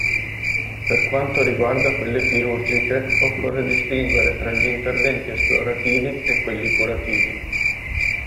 Per quanto riguarda quelle chirurgiche occorre distinguere tra gli interventi "esplorativi" e quelli "curativi".